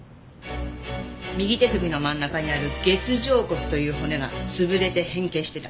右手首の真ん中にある月状骨という骨が潰れて変形してた。